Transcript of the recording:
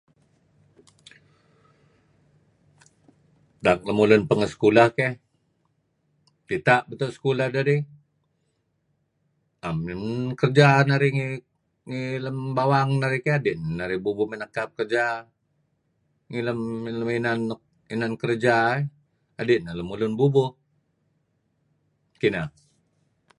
Tak lemulun pengeh sekulah keh, dita; beto' sekulah dedih 'am men kerja narih ngi bawang narih keh kadi' narih bubuih mey nekap kerja ngilem inan kerja eh kadi' neh lemulun bubuh. Kineh.